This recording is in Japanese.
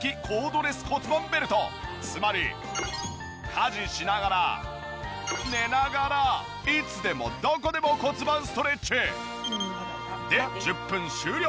つまり家事しながら寝ながらいつでもどこでも骨盤ストレッチ！で１０分終了。